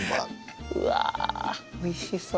うわおいしそう！